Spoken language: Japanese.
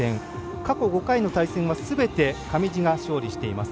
過去５回の対戦はすべて上地が勝利しています。